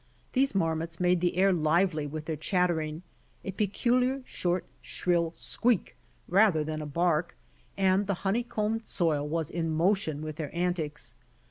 These marmots made the air lively with their chattering, a peculiar short shrill squeak, rather than a bark, and the honey combed soil was in motion with their antics.